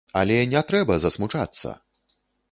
Але не трэба засмучацца!